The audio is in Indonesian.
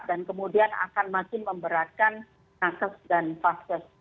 dan kemudian akan makin memberatkan kasus dan fasilitas